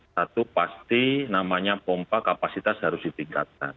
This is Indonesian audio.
satu pasti namanya pompa kapasitas harus ditingkatkan